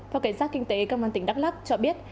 phòng cảnh sát kinh tế công an tỉnh đắk lắc cho biết